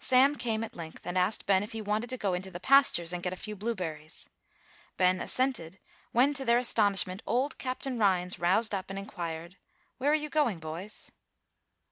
Sam came at length, and asked Ben if he wanted to go into the pastures and get a few blueberries. Ben assented, when, to their astonishment, old Captain Rhines roused up and inquired, "Where are you going, boys?"